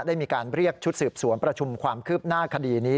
ได้มีการเรียกชุดสืบสวนประชุมความคืบหน้าคดีนี้